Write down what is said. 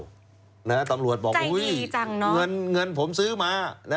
ใช่จังเนาะตำรวจบอกเงินผมซื้อมา